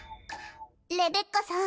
レベッカさん。